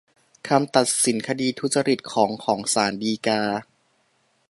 คำตัดสินคดีทุจริตของของศาลฎีกา